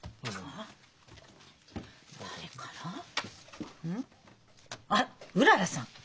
あらうららさん！